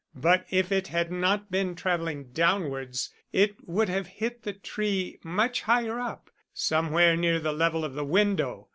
But if it had not been travelling downwards, it would have hit the tree much higher up somewhere near the level of the window.